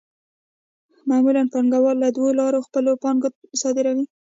معمولاً پانګوال له دوو لارو خپله پانګه صادروي